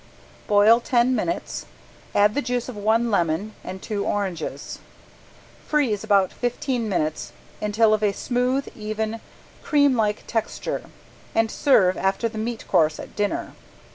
Boil ten minutes, add the juice of one lemon and two oranges, freeze about fifteen minutes until of a smooth, even, cream like texture, and serve after the meat course at dinner.